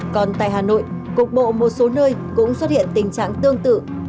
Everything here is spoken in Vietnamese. còn tại hà nội cục bộ một số nơi cũng xuất hiện tình trạng tương tự